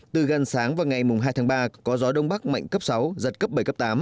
từ gần sáng vào ngày hai tháng ba có gió đông bắc mạnh cấp sáu giật cấp bảy cấp tám